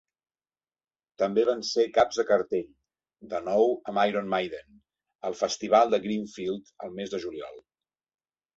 També van ser caps de cartell, de nou amb Iron Maiden, al Festival de Greenfield el mes de juliol.